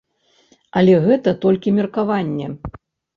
Але гэта толькі меркаванне.